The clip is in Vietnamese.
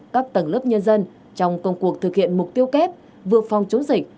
các tầng lớp nhân dân trong công cuộc thực hiện mục tiêu kép vượt phong chống dịch